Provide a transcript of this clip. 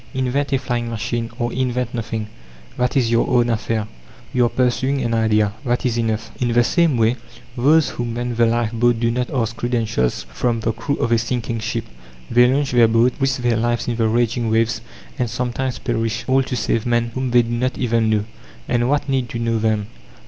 Invent a flying machine, or invent nothing that is your own affair. You are pursuing an idea that is enough. In the same way, those who man the lifeboat do not ask credentials from the crew of a sinking ship; they launch their boat, risk their lives in the raging waves, and sometimes perish, all to save men whom they do not even know. And what need to know them?